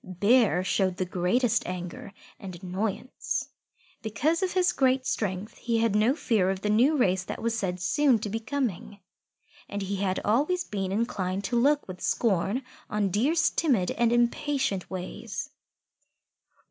Bear showed the greatest anger and annoyance. Because of his great strength, he had no fear of the new race that was said soon to be coming, and he had always been inclined to look with scorn on Deer's timid and impatient ways.